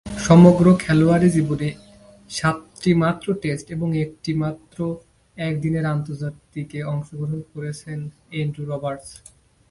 সমগ্র খেলোয়াড়ী জীবনে সাতটিমাত্র টেস্ট ও একটিমাত্র একদিনের আন্তর্জাতিকে অংশগ্রহণ করেছেন অ্যান্ড্রু রবার্টস।